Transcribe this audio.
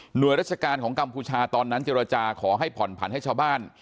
โดยราชการของกัมพูชาตอนนั้นเจรจาขอให้ผ่อนผันให้ชาวบ้าน